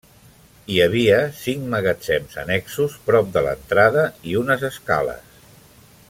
Hi havia cinc magatzems annexos prop de l'entrada i unes escales.